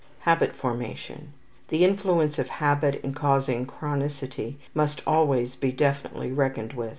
Habit Formation. The influence of habit in causing chronicity must always be definitely reckoned with.